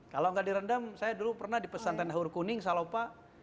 kalau gak di rendam saya dulu pernah di pesantren hurkuning salopah